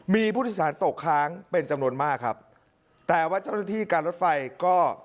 มีผู้โดยสารตกค้างเป็นจำนวนมากครับแต่ว่าเจ้าหน้าที่การรถไฟก็